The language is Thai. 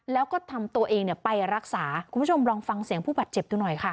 แล้วก็ทำตัวเองเนี่ยไปรักษาคุณผู้ชมลองฟังเสียงผู้บาดเจ็บดูหน่อยค่ะ